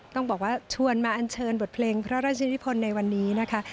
ต้องบอกว่าชวนมาอันเชิญบทเพลงพระราชนิพลในวันนี้นะคะ